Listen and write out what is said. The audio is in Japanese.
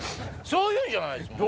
そういうことじゃないんですか。